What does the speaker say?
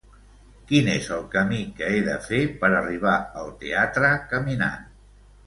Quin és el camí que he de fer per arribar al teatre caminant?